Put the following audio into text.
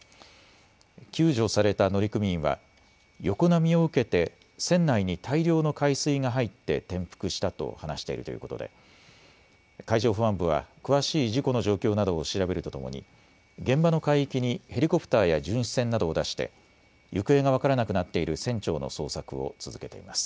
救助された乗組員は横波を受けて船内に大量の海水が入って転覆したと話しているということで海上保安部は詳しい事故の状況などを調べるとともに現場の海域にヘリコプターや巡視船などを出して行方が分からなくなっている船長の捜索を続けています。